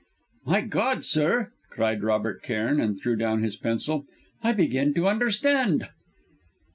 "My God, sir!" cried Robert Cairn, and threw down his pencil. "I begin to understand!"